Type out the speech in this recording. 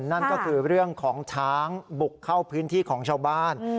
นั่นก็คือเรื่องของช้างบุกเข้าพื้นที่ของชาวบ้าน